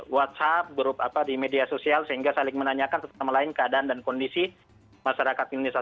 whatsapp grup apa di media sosial sehingga saling menanyakan tentang lain keadaan dan kondisi masyarakat indonesia